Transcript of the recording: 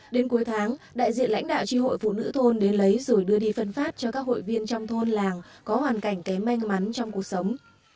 đến cuối tháng đại diện lãnh đạo tri hội phụ nữ thôn đến lấy rồi đưa đi phân phát cho các hội viên trong thôn làng có hoàn cảnh kém may mắn trong cuộc sống